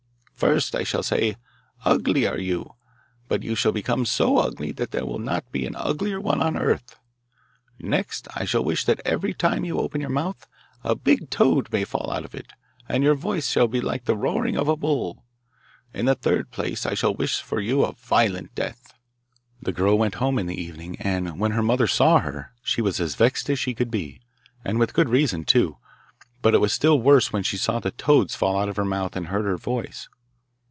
First, I shall say, "Ugly are you, but you shall become so ugly that there will not be an uglier one on earth." Next I shall wish that every time you open your mouth a big toad may fall out of it, and your voice shall be like the roaring of a bull. In the third place I shall wish for you a violent death.' The girl went home in the evening, and when her mother saw her she was as vexed as she could be, and with good reason, too; but it was still worse when she saw the toads fall out of her mouth and heard her voice.